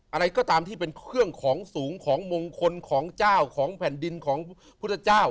อะไรก็ตามที่เป็นเครื่องของสูงของมงคลของเจ้าของแผ่นดินของพุทธเจ้า